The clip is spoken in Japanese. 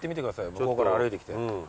向こうから歩いてきて。